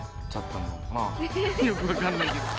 よく分かんないけど。